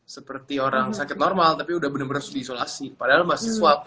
seperti orang sakit normal tapi udah bener bener sudah di isolasi padahal masih swab